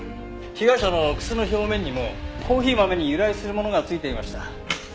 被害者の靴の表面にもコーヒー豆に由来するものが付いていました。